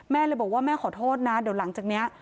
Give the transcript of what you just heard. แม่เลยบอกว่าแม่ขอโทษนะเดี๋ยวหลังจากนี้